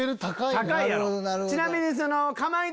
ちなみに。